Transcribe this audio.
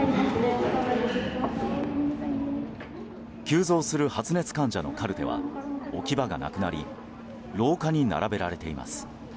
急増する発熱患者のカルテは置き場がなくなり廊下に並べられています。